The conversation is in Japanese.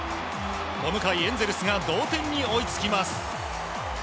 この回、エンゼルスが同点に追いつきます。